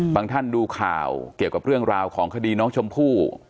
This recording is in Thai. ท่านดูข่าวเกี่ยวกับเรื่องราวของคดีน้องชมพู่